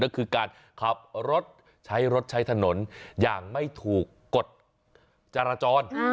ก็คือการขับรถใช้รถใช้ถนนอย่างไม่ถูกกฎจราจร